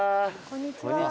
こんにちは。